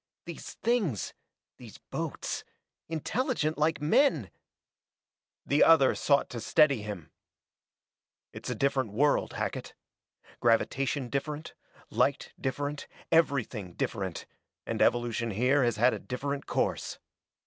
These things these boats intelligent like men " The other sought to steady him. "It's a different world, Hackett. Gravitation different, light different, everything different, and evolution here has had a different course.